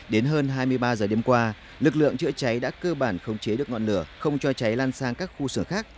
đến hơn hai mươi ba giờ đêm qua lực lượng chữa cháy đã cơ bản khống chế được ngọn lửa không cho cháy lan sang các khu sửa khác